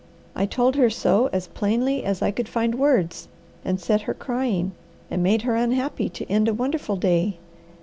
I told her so as plainly as I could find words, and set her crying, and made her unhappy to end a wonderful day.